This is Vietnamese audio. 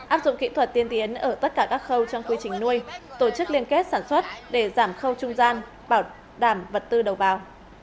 áp dụng kỹ thuật tiên tiến ở tất cả các khâu trong quy trình nuôi tổ chức liên kết sản xuất để giảm khâu trung gian bảo đảm vật tư đầu vào